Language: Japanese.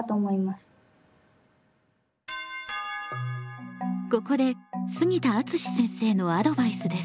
ここで杉田敦先生のアドバイスです。